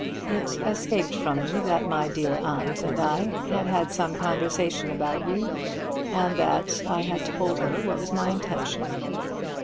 It escaped from me that my dear aunt and I had had some conversation about you, and that I had told her what was my intention.